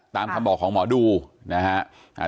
ตามคำบอกของหมอดูนะฮะ